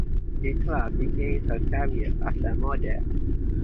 Mitra began her career as a model.